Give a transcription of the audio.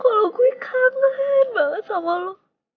kalau gue kangen banget sama lo